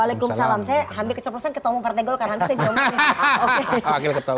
waalaikumsalam saya hampir kecap kecapan ketemu partai golkar